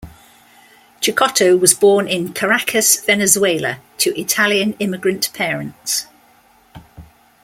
Cecotto was born in Caracas, Venezuela to Italian immigrant parents.